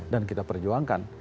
dan kita perjuangkan